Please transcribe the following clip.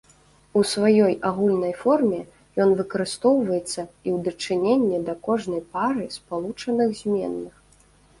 У сваёй агульнай форме ён выкарыстоўваецца і ў дачыненні да кожнай пары спалучаных зменных.